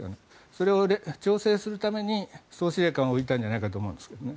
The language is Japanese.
それを調整するために総司令官を置いたんじゃないかと思うんですよね。